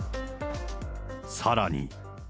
さらに。